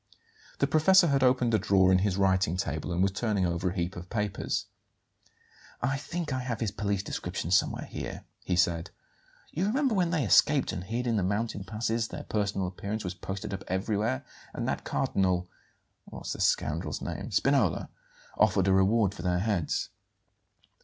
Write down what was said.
The professor had opened a drawer in his writing table and was turning over a heap of papers. "I think I have his police description somewhere here," he said. "You remember when they escaped and hid in the mountain passes their personal appearance was posted up everywhere, and that Cardinal what's the scoundrel's name? Spinola, offered a reward for their heads."